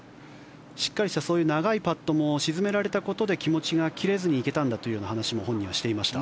しっかりしたそういう長いパットも沈められたことで気持ちが切れずに行けたんだという話も本人はしていました。